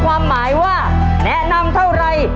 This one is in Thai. ความหมายว่าแนะนำเท่าไร